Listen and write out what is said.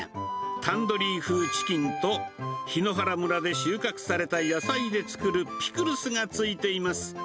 タンドリー風チキンと、檜原村で収穫された野菜で作るピクルスが付いています。